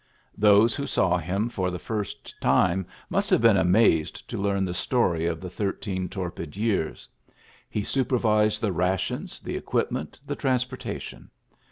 Those who saw him for the first time must have been amazed to learn the story of the thirteen torpid years. He supervised the rations, the equipment, the transportation.